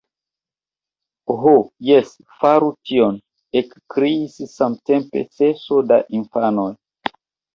— Ho, jes, faru tion, — ekkriis samtempe seso da infanoj.